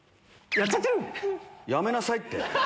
やめなさいって！